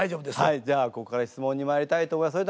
はいじゃあここから質問にまいりたいと思います。